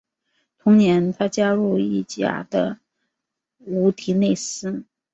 同年他加入意甲的乌迪内斯。